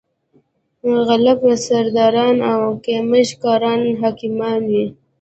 غله به سرداران او کمېشن کاران حاکمان وي.